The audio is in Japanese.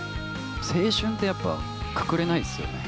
青春ってやっぱくくれないですよね。